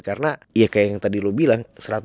karena ya kayak yang tadi lu bilang